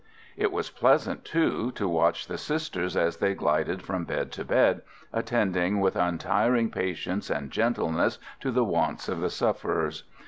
It was pleasant, too, to watch the Sisters as they glided from bed to bed, attending with untiring patience and gentleness to the wants of the sufferers.